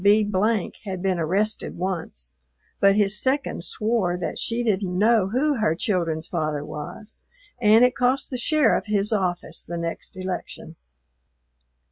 B had been arrested once, but his second swore that she didn't know who her children's father was, and it cost the sheriff his office the next election.